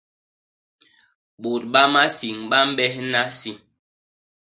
Bôt ba masiñ ba mbehna isi.